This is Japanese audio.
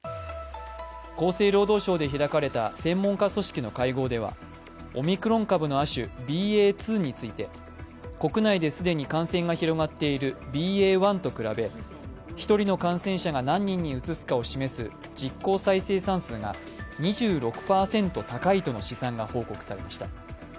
厚生労働省で開かれた専門家組織の会合ではオミクロン株の亜種、ＢＡ．２について国内で既に感染が広がっているＢＡ．１と比べ１人の感染者が何人にうつすかを示す実効再生産数が２６％高いとの試算が報告されました。